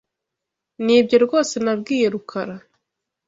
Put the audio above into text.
Nibyo rwose nabwiye Rukara.